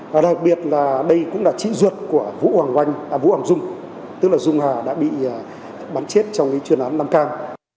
và đặc biệt là đây cũng là trí duyệt của vũ hoàng oanh vũ hoàng dung tức là dung hà đã bị bắn chết trong cái chuyên án nam cang